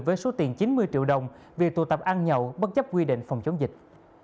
với số tiền chín mươi triệu đồng vì tụ tập ăn nhậu bất chấp quy định phòng chống dịch